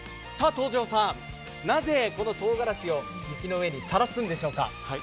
東條さん、なぜ、とうがらしを雪の上にさらすんでしょうか？